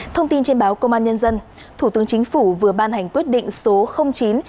thông tin trên báo công an nhân dân thủ tướng chính phủ vừa ban hành quyết định số chín hai nghìn hai mươi hai